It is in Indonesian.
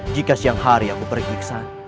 jika siang hari aku pergi ke sana